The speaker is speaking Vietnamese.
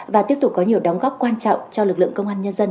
và tiếp tục có nhiều đóng góp quan trọng cho lực lượng công an nhân dân